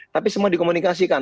tapi semua dikomunikasikan